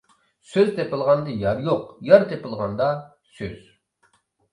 سۆز تېپىلغاندا يار يوق، يار تېپىلغاندا سۆز.